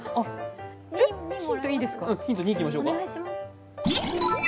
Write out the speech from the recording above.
ヒント２いきましょうか。